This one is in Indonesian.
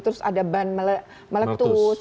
terus ada ban meletus